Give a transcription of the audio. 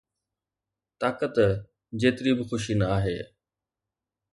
طاقت 'جيتري به خوشي نه آهي